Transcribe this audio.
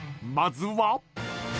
［まずは］